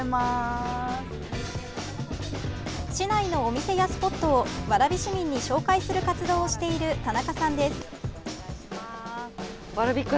市内のお店やスポットを蕨市民に紹介する活動をしている田中さんです。